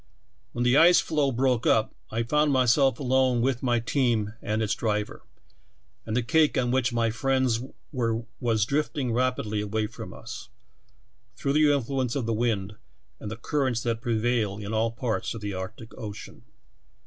When the ice floe broke up I found myself alone with my team and its driver, and the cake on which my friends were was drifting rapidly away from us, through the influence of the wind and the currents that prevail in all parts of the Arctic ocean.